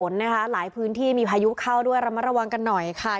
นะคะหลายพื้นที่มีพายุเข้าด้วยระมัดระวังกันหน่อยค่ะ